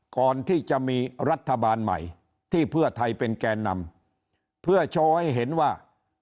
ก่อนที่จะมีรัฐบาลใหม่ที่เพื่อไทยเป็นแก่นำเพื่อโชว์ให้เห็นว่า